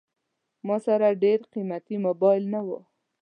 ما سره ډېر قیمتي موبایل نه و.